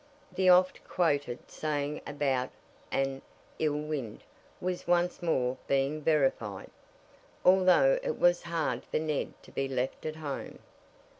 The oft quoted saying about an "ill wind" was once more being verified, although it was hard for Ned to be left at home.